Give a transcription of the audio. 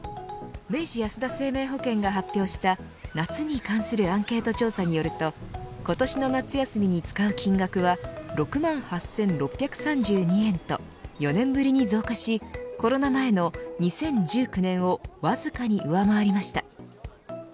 明治安田生命保険が発表した夏に関するアンケート調査によると今年の夏休みに使う金額は６万８６３２円と４年ぶりに増加し、コロナ前の２０１９年をわずかに上回りました。